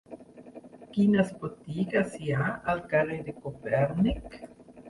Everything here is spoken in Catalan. Quines botigues hi ha al carrer de Copèrnic?